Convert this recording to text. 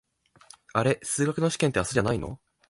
あれ、数学の試験って明日じゃないの？